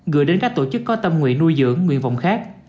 gửi đến các tổ chức có tâm nguyện nuôi dưỡng nguyện vọng khác